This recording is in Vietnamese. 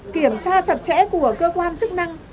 kiểm tra chặt chẽ của cơ quan chức năng